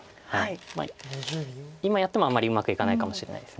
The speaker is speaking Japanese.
まあ今やってもあんまりうまくいかないかもしれないです。